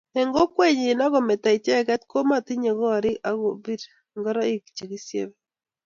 Eng kokwenyi akometo icheget komotinye gorik kobil ngoroik chekesiebei